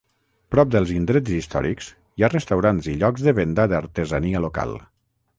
Prop dels indrets històrics, hi ha restaurants i llocs de venda d'artesania local.